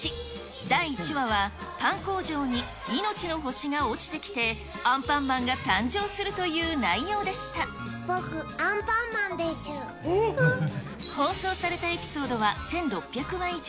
第１話は、パン工場にいのちの星が落ちてきて、アンパンマンが誕生するとい僕、放送されたエピソードは１６００話以上。